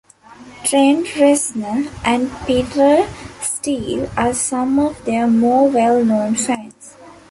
Trent Reznor and Peter Steele are some of their more well-known fans.